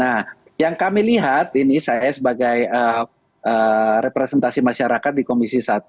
nah yang kami lihat ini saya sebagai representasi masyarakat di komisi satu